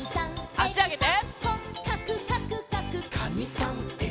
あしあげて。